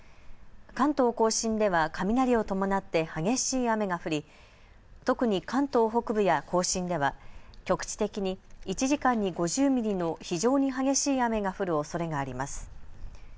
関東甲信では雷を伴って激しい雨が降り特に関東北部や甲信では局地的に１時間に５０ミリの非常に激しい雨が降るおそれがあります。